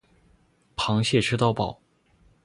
螃蟹吃到饱